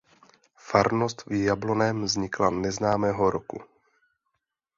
Farnost v Jablonném vznikla neznámého roku.